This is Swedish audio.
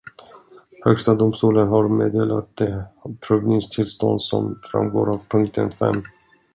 Högsta domstolen har meddelat det prövningstillstånd som framgår av punkten fem.